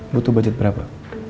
butuh budget berapa